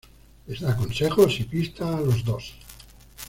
Les da consejos y pistas a los dos.